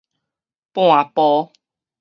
半晡